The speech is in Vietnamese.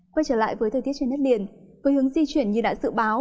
quay trở lại với thời tiết trên đất liền với hướng di chuyển như đã dự báo